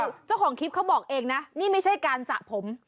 คือเจ้าของคลิปเขาบอกเองนะนี่ไม่ใช่การสระผม